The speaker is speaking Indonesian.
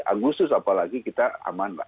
agustus apalagi kita aman